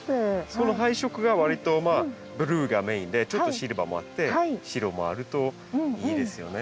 その配色がわりとまあブルーがメインでちょっとシルバーもあって白もあるといいですよね。